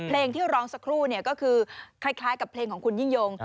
เพลงที่ร้องสักครู่เนี่ยก็คือคล้ายกับเพลงของคุณยิ่งยง